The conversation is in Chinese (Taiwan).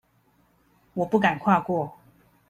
我不敢跨過